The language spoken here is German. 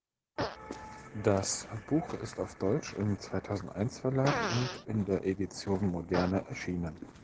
Das Buch ist auf deutsch im Zweitausendeins-Verlag und in der Edition Moderne erschienen.